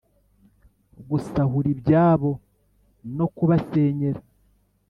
gusahura ibyabo no kubasenyera